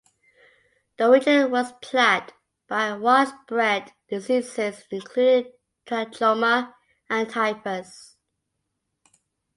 The region was plagued by widespread diseases including trachoma and typhus.